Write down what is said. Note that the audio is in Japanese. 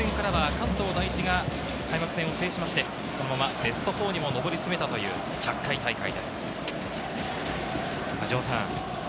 またこの開幕戦からは関東第一が開幕戦を制しまして、そのままベスト４に上り詰めたという１００回大会です。